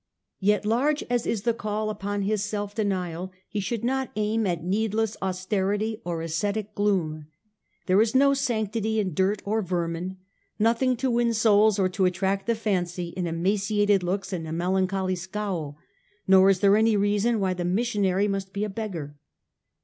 Yet large as is the call upon his self denial, he should not aim at needless austerity or ascetic gloom. There is no sanctity in dirt or vermin, nothing to win souls or to attract the fancy in emaciated looks and a melancholy scowl ; nor is there any reason why the missionary must be a beggar.